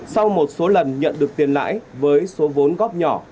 sau một số lần nhận được tiền lãi với số vốn góp nhỏ